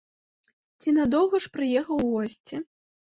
Ці надоўга ж прыехаў у госці?